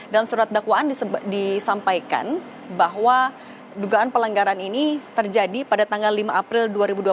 dalam surat dakwaan disampaikan bahwa dugaan pelanggaran ini terjadi pada tanggal lima april dua ribu dua puluh